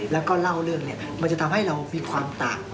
แล้วก็เล่าเรื่องเนี่ยมันจะทำให้เรามีความต่าง